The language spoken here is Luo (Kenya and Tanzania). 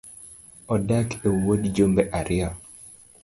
Odak e wuod jumbe ariyo